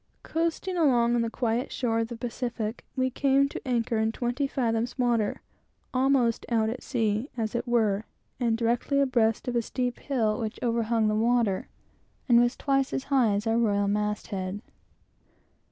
Coasting along on the quiet shore of the Pacific, we came to anchor, in twenty fathoms' water, almost out at sea, as it were, and directly abreast of a steep hill which overhung the water, and was twice as high as our royal mast head.